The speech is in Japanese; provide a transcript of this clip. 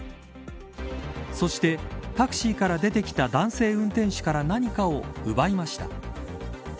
そして、タクシーから出てきた男性運転手から何かを奪いました。